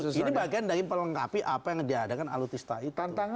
nah karena itu ini bagian dari perlengkapi apa yang diadakan alutista itu